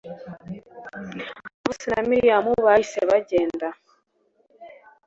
mose na miriyamu bahise bagenda